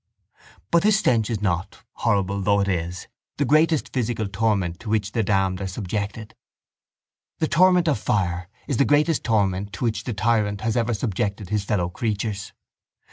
—But this stench is not, horrible though it is, the greatest physical torment to which the damned are subjected. The torment of fire is the greatest torment to which the tyrant has ever subjected his fellow creatures.